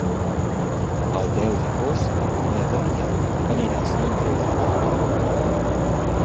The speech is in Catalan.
El deu d'agost na Damià anirà a Sant Andreu de la Barca.